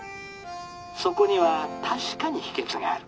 そこには確かに秘けつがある。